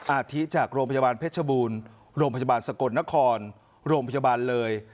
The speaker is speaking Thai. อาทิจากโรงพยาบาลเพชรบูรณ์โรงพยาบาลสกลนครโรงพยาบาลเลย